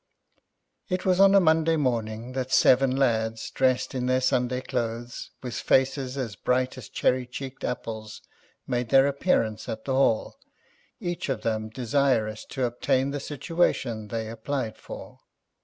It was on a Monday morning that seven lads, dressed in their Sunday clothes, with faces as bright as cherry cheeked apples, made their appearance at the Hall, each of them desirous to obtain the situation they applied for.